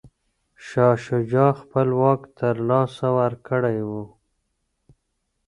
شاه شجاع خپل واک له لاسه ورکړی و.